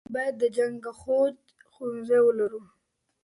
موږ بايد د جنګښود ښوونځی ولرو .